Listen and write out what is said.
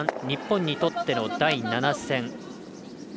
日本にとっての第７戦。